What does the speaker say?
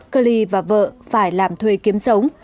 klee và vợ phải làm thuê kiếm sống